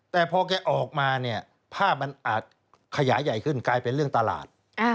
แต่พอแกออกมาเนี่ยภาพมันอาจขยายใหญ่ขึ้นกลายเป็นเรื่องตลาด